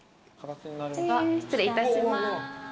失礼いたします。